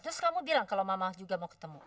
terus kamu bilang kalau mama juga mau ketemu